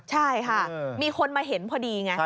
ใช่ค่ะมีคนมาเห็นพอดีไง